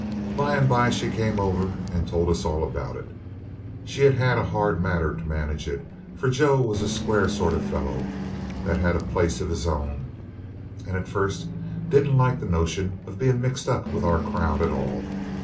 By and by she came over and told us all about it. She'd had a hard matter to manage it, for Joe was a square sort of fellow, that had a place of his own, and at first didn't like the notion of being mixed up with our crowd at all.